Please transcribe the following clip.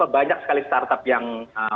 banyak sekali startup yang